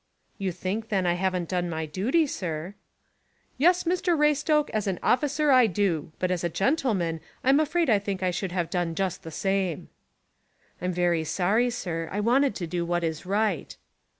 "You think, then, I haven't done my duty, sir." "Yes, Mr Raystoke, as an officer I do; but as a gentleman I'm afraid I think I should have done just the same." "I'm very sorry, sir. I wanted to do what is right."